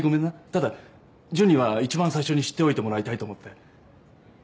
ただ純には一番最初に知っておいてもらいたいと思って。